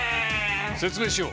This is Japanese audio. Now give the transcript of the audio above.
説明しよう！